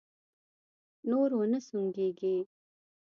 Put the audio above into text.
نور و نه سونګېږې!